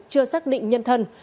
chưa xác định nhân thân